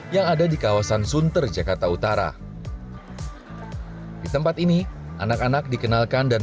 yang ada di kawasan sunter jakarta utara di tempat ini anak anak dikenalkan dan